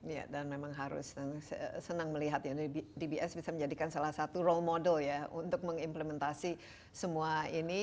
ya dan memang harus senang melihat ya dbs bisa menjadikan salah satu role model ya untuk mengimplementasi semua ini